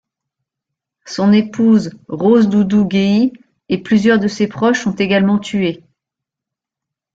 Son épouse, Rose Doudou Guéï, et plusieurs de ses proches sont également tués.